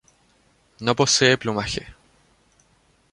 No posee plumaje.